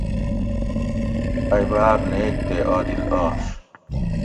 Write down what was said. ائی باۤر نیک تے عادل آش